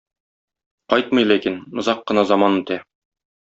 Кайтмый ләкин, озак кына заман үтә.